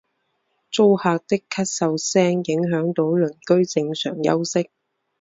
租客的咳嗽声影响到邻居正常休息